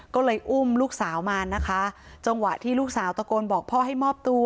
ก็เลยอุ้มลูกสาวมานะคะจังหวะที่ลูกสาวตะโกนบอกพ่อให้มอบตัว